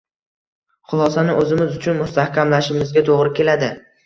xulosani o‘zimiz uchun mustahkamlashimizga to‘g‘ri keladi.